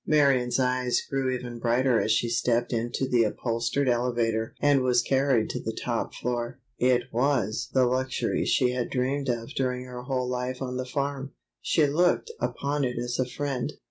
Marion's eyes grew even brighter as she stepped into the upholstered elevator and was carried to the top floor. It was the luxury she had dreamed of during her whole life on the farm. She looked upon it as a friend.